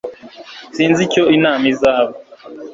Sinzi icyo inama izaba